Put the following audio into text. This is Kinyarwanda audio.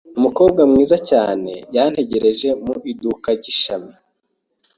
Umukobwa mwiza cyane yantegereje mu iduka ry’ishami.